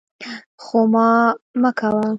خو مه کوه!